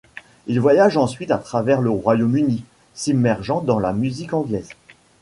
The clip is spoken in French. Il voyage ensuite à travers le Royaume-Uni, s'immergeant dans la musique anglaise.